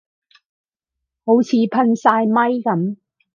好似噴曬咪噉